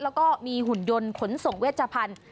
แล้วก็มีหุ่นยนต์ขนส่งเวชพันธุ์